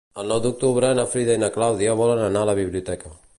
El nou d'octubre na Frida i na Clàudia volen anar a la biblioteca.